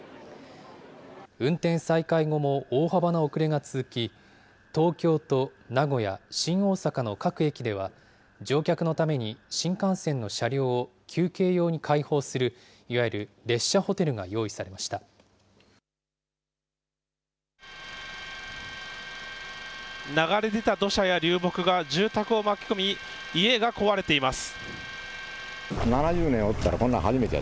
運転再開後も大幅な遅れが続き、東京と名古屋、新大阪の各駅では、乗客のために、新幹線の車両を休憩用に開放する、いわゆる列車ホテルが用意されま流れ出た土砂や流木が住宅を巻き込み、家が壊れています。